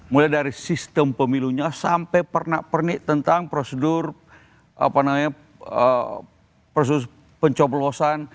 mulai dari sistem pemilunya sampai pernak pernik tentang prosedur pencoblosan